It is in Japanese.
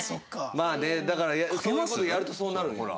まあねだからそういう事やるとそうなるんやろな。